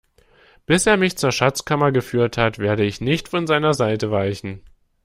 Bis er mich zur Schatzkammer geführt hat, werde ich nicht von seiner Seite weichen.